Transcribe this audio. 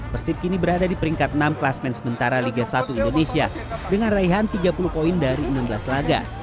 persib kini berada di peringkat enam klasmen sementara liga satu indonesia dengan raihan tiga puluh poin dari enam belas laga